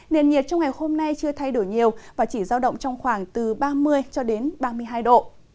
nền nhiệt trong ngày hôm nay chưa thay đổi nhiều và chỉ giao động trong khoảng từ ba mươi cho đến ba mươi hai độ